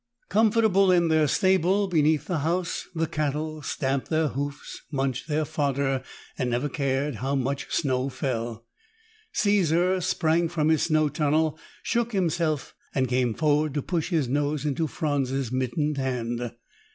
Comfortable in their stable beneath the house, the cattle stamped their hoofs, munched their fodder and never cared how much snow fell. Caesar sprang from his snow tunnel, shook himself, and came forward to push his nose into Franz's mittened hand.